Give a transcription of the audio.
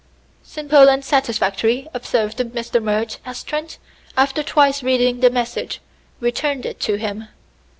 "Simple and satisfactory," observed Mr. Murch as Trent, after twice reading the message, returned it to him.